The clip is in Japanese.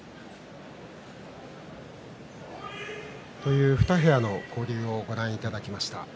という２部屋の交流をご覧いただきました。